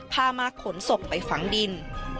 พามาขนศพไปฝังดิน